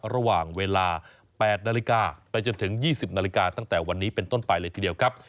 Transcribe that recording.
ระหว่างเวลา๘นาฬิกาไปจนถึง๒๐นาฬิกาตั้งแต่วันนี้เป็นต้นไปเลยทีเดียวครับ